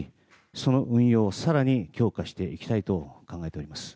その運用を更に強化していきたいと考えております。